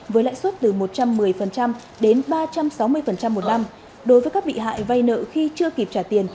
với lãi suất từ một trăm một mươi đến ba trăm sáu mươi một năm đối với các bị hại vay nợ khi chưa kịp trả tiền